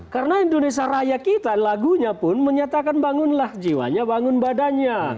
karena indonesia raya kita lagunya pun menyatakan bangunlah jiwanya bangun badannya